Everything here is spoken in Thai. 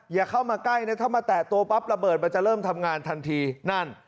อย่าเข้ามาใกล้นะถ้ามาแตะตัวปั๊บระเบิดมันจะเริ่มทำงานทันทีนั่น